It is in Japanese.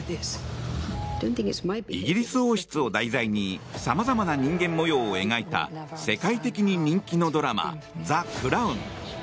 イギリス王室を題材にさまざまな人間模様を描いた世界的に人気のドラマ「ザ・クラウン」。